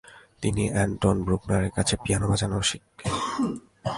তিনি আন্টোন ব্রুকনারের কাছে পিয়ানো বাজাতে শিখেন।